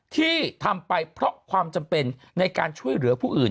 ที่ทำไปเพราะความจำเป็นในการช่วยเหลือผู้อื่น